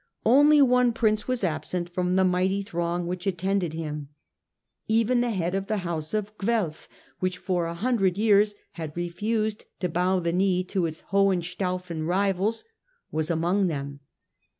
Only one Prince was absent from the mighty throng which attended him. Even the head of the house of Guelf, which for a hundred years had refused to bow the knee to its Hohenstaufen 138 STUPOR MUNDI rivals, was among them.